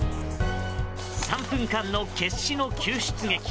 ３分間の決死の救出劇。